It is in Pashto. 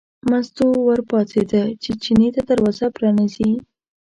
مستو ور پاڅېده چې چیني ته دروازه پرانیزي.